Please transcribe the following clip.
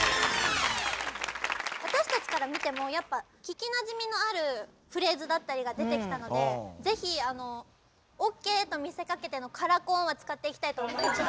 私たちから見てもやっぱ聞きなじみのあるフレーズだったりが出てきたのでぜひ「ＯＫと見せかけてのカラコン」は使っていきたいと思います。